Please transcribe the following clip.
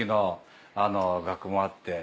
もあって。